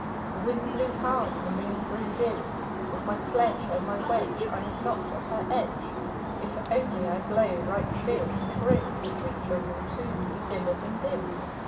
The Wind blew hard, and the Moon grew dim. "With my sledge And my wedge I have knocked off her edge! If only I blow right fierce and grim, The creature will soon be dimmer than dim."